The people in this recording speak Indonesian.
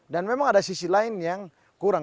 dan memang ada sisi lain yang kurang